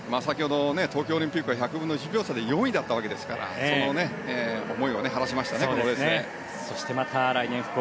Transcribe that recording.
東京オリンピックは１００分の１秒差で４位だったわけですからその思いを晴らしましたね